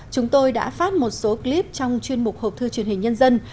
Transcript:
chúng tôi đã phát một số clip trong chuyên mục hộp thư truyền hình nhân dân